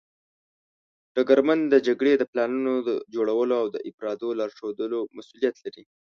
ډګرمن د جګړې د پلانونو جوړولو او د افرادو لارښودلو مسوولیت لري.